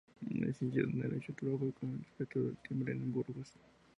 Licenciado en Derecho, trabajó como inspector del timbre en Burgos.